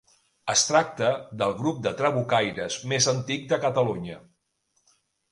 Es tracta del grup de trabucaires més antic de Catalunya.